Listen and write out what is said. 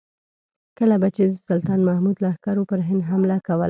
کله به چې د سلطان محمود لښکرو پر هند حمله کوله.